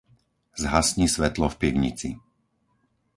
Zhasni svetlo v pivnici.